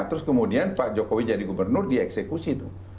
terus kemudian pak jokowi jadi gubernur dia eksekusi tuh